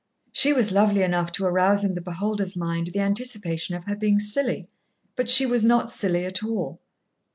She was lovely enough to arouse in the beholder's mind the anticipation of her being silly, but she was not silly at all.